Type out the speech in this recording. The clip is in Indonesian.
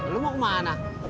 lo mau kemana